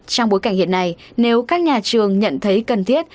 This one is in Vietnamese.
trong bối cảnh hiện nay nếu các nhà trường nhận thấy cần thiết